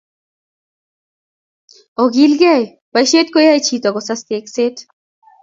Olkiyae boishet ko yae chito kusas tekset